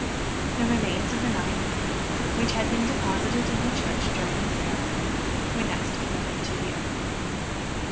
The remains of the nine women, which had been deposited in the church during the ceremony, were next committed to the earth.